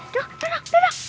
dong dadang dadang